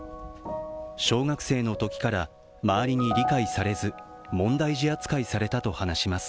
小学生のときから周りに理解されず問題児扱いされたと話します。